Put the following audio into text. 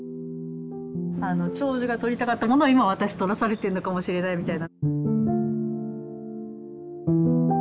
あの長女が撮りたかったものを今私撮らされてるのかもしれないみたいな。